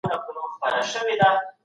پانګي ټول توليدي عوامل په کار اچول.